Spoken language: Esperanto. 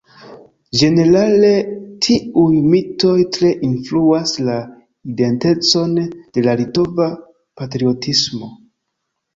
Ĝenerale tiuj mitoj tre influas la identecon de la litova patriotismo.